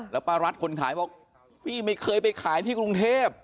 แล้วป้ารัฐคนขายบอกพี่ไม่เคยไปขายที่กรุงเทพ